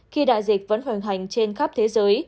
khi đại dịch vẫn hoành hành trên khắp thế giới